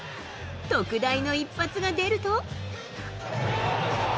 特大の一発が出ると。